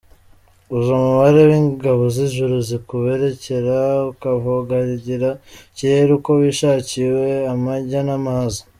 Uzi umubare w’ingabo z’ijuru zikubererekera ukavogagira ikirere uko wishakiye, amajya n’amaza?